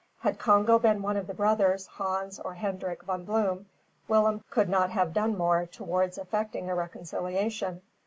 Had Congo been one of the brothers, Hans or Hendrik Von Bloom, Willem could not have done more towards effecting a reconciliation.